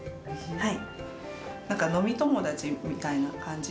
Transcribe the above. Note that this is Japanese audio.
はい。